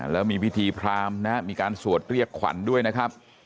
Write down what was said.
แล้วมีพิธีพรามนะครับมีการสวดเรียกขวัญด้วยนะครับ